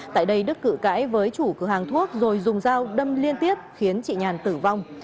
tại đây đức cự cãi với chủ cửa hàng thuốc rồi dùng dao đâm liên tiếp khiến chị nhàn tử vong